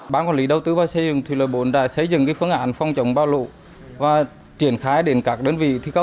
ban quản lý đầu tư và xây dựng thủy lợi bộn đã xây dựng phương án phong trọng bao lụ và triển khai đến các đơn vị